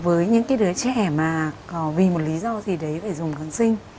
với những cái đứa trẻ mà vì một lý do gì đấy phải dùng kháng sinh